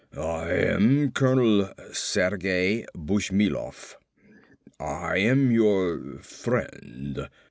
I am Colonel Sergei Bushmilov. I am your friend."